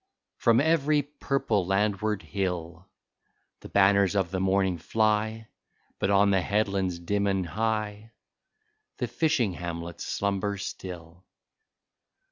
From every purple landward hill The banners of the morning fly. But on the headlands, dim and high. The fishing hamlets slumber still.